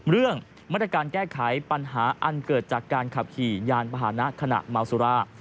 เรื่องมาตรการแก้ไขปัญหาอันเกิดจากการขับขี่ยานพาหนะขณะเมาสุรา